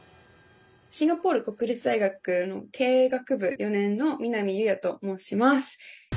シンガポール国立大学の経営学部４年の南佑弥と申します。